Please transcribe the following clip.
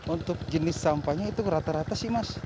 untuk jenis sampahnya itu rata rata sih mas